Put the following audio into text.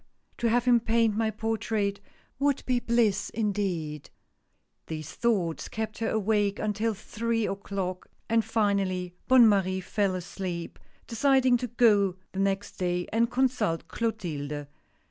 to have him paint my portrait would be bliss indeed I " These thoughts kept her awake until three o'clock, and finally Bonne Marie fell asleep, deciding to go the next day and consult Clotilde.